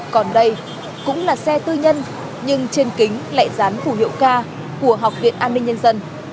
còn đây cũng là xe tư nhân nhưng trên kính lại dán phủ hiệu ca của học viện an ninh nhân dân